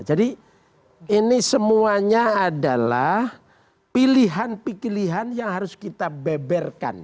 jadi ini semuanya adalah pilihan pilihan yang harus kita beberkan